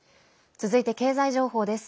続いて、経済情報です。